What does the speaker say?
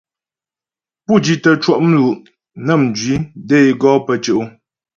Pú di tə́ cwɔ' mlu' nə́ mjwi də é gɔ pə́ tyɛ' o.